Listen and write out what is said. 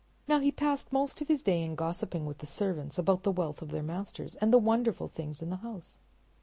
Now he passed most of his day in gossiping with the servants about the wealth of their masters and the wonderful things in the house.